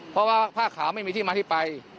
เพราะว่าผ้าขาวไม่มีที่มาที่ไป